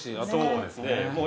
そうですね。